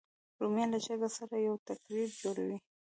رومیان له چرګ سره یو ترکیب جوړوي